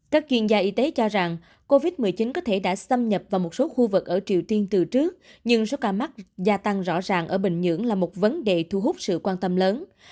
các chuyên gia y tế cho rằng covid một mươi chín có thể đã xâm nhập vào một số khu vực ở triều tiên từ trước nhưng số ca mắc gia tăng rõ ràng ở bình nhưỡng là một vấn đề thu hút sự quan tâm lớn